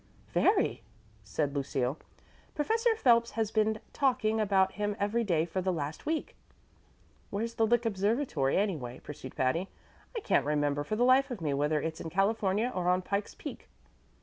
"Very," said Lucille. "Professor Phelps has been talking about him every day for the last week." "Where's the Lick Observatory, anyway?" pursued Patty. "I can't remember, for the life of me, whether it's in California or on Pike's Peak."